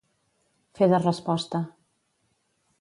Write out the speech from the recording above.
Fer de resposta.